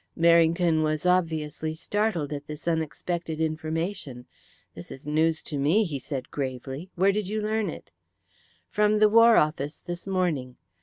Merrington was obviously startled at this unexpected information. "This is news to me," he said gravely. "Where did you learn it?" "From the War Office this morning.